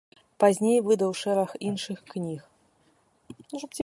Пазней выдаў шэраг іншых кніг.